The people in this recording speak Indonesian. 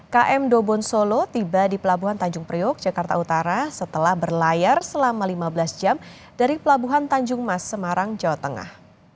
km dobon solo tiba di pelabuhan tanjung priok jakarta utara setelah berlayar selama lima belas jam dari pelabuhan tanjung mas semarang jawa tengah